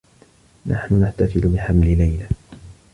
نحن نحتفل بحمل ليلى.